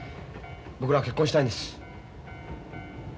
僕ら結婚したいんです。